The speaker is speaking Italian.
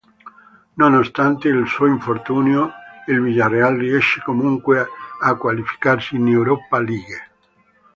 Nonostante il suo infortunio il Villarreal riesce comunque a qualificarsi in Europa League.